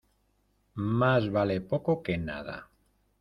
Más vale poco que nada.